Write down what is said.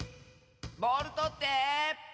ボールとって！